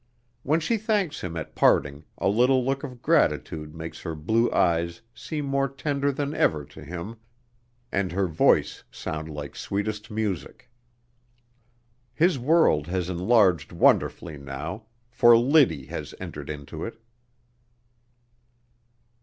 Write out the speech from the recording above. When she thanks him at parting, a little look of gratitude makes her blue eyes seem more tender than ever to him and her voice sound like sweetest music. His world has enlarged wonderfully now, for Liddy has entered into it.